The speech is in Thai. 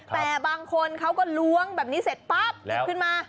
แต่บางคนเขาก็ล้วงแบบนี้เสร็จปั๊บติดขึ้นมา